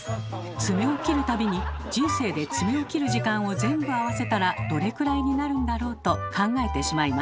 爪を切る度に人生で爪を切る時間を全部合わせたらどれくらいになるんだろう？と考えてしまいます。